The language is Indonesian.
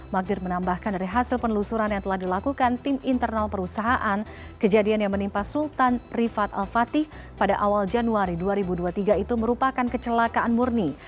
magdir menambahkan dari hasil penelusuran yang telah dilakukan tim internal perusahaan kejadian yang menimpa sultan rifat al fatih pada awal januari dua ribu dua puluh tiga itu merupakan kecelakaan murni